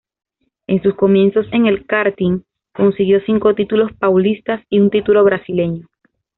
En sus comienzos en el karting, consiguió cinco títulos paulistas y un título brasileño.